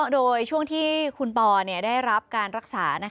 โดยช่วงที่คุณปอได้รับการรักษา